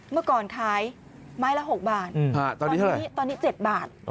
เมื่อก่อนขายไม้ละ๖บาทตอนนี้๗บาท